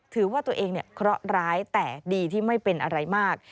ถือว่าตัวเองเนี่ยเคราะห์ร้ายแต่ดีที่ไม่เป็นอะไรมาก